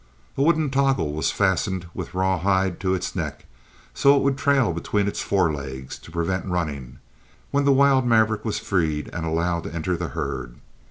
A wooden toggle was fastened with rawhide to its neck, so it would trail between its forelegs, to prevent running, when the wild maverick was freed and allowed to enter the herd.